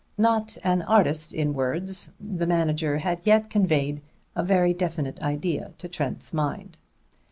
Not an artist in words, the manager had yet conveyed a very definite idea to Trent's mind.